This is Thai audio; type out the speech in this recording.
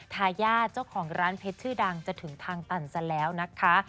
ทายาทเจ้าของร้านเพชรชื่อดังจะถึงทางตันซะแล้วนะคะ